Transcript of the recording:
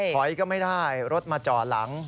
ถอยก็ไม่ได้รถมาจ่อหลัง